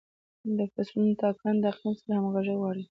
د فصلونو ټاکنه د اقلیم سره همغږي غواړي.